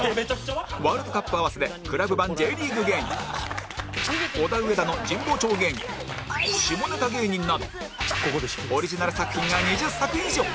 ワールドカップ合わせで ＣＬＵＢ 版 Ｊ リーグ芸人オダウエダの神保町芸人下ネタ芸人などオリジナル作品が２０作以上！